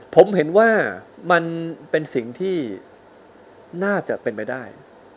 ผมเห็นว่ามันเป็นสิ่งที่น่าจะเป็นไปได้